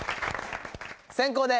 先攻で。